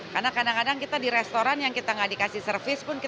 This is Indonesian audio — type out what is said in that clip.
karena kadang kadang kita di restoran yang kita nggak dikasih service